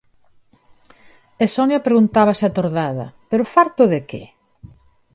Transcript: E Sonia preguntábase atordada 'pero farto de que?'.